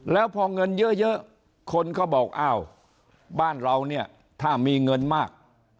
แล้วพอเงินเยอะคนก็บอกอ้าวบ้านเราเนี่ยถ้ามีเงินมาก